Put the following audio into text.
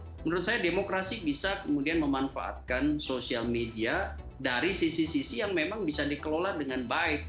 menurut saya demokrasi bisa kemudian memanfaatkan social media dari sisi sisi yang memang bisa dikelola dengan baik